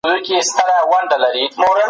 تاسي تل د خیر کارونه کوئ.